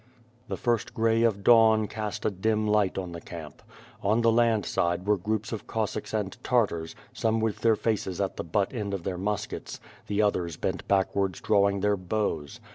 The first gray of dawn cast a dim light on the camp. On the land side were groups of Cossacks and Tartars, some with their faces at the butt end of their muskets; the others bent backwards drawing their bows.